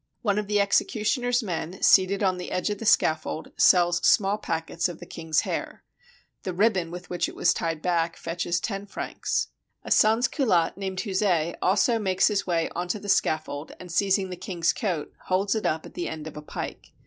One of the executioner's men, seated on the edge of the scaffold, sells small packets of the king's hair; the ribbon with which it was tied back fetches ten francs. A sans culoUe, named Heuze, also makes his way on to the scaffold, and, seizing the king's coat, holds it up at the end of a pike.